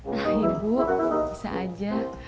nah ibu bisa aja